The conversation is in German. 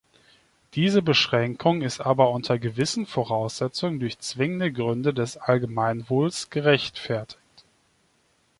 Diese Beschränkung ist aber unter gewissen Voraussetzungen durch zwingende Gründe des Allgemeinwohls gerechtfertigt.